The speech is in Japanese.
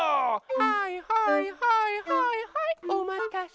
はいはいはいはいはいおまたせ。